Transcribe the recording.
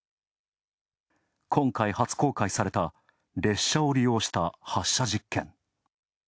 今回、初公開された列車を利用した発射実験。